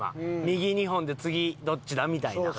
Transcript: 右２本で次どっちだ？みたいな。